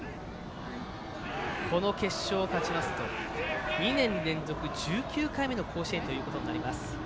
この決勝を勝ちますと２年連続１９回目の甲子園ということになります。